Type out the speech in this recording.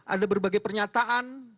ada berbagai pernyataan